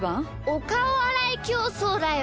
おかおあらいきょうそうだよ。